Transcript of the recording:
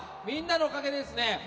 みんなのおかげでですね